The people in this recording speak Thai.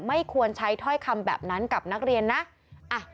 ไม่ควรใช้ถ้อยคำแบบนั้นกับนักเรียนนะ